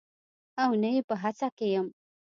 او نه یې په هڅه کې یم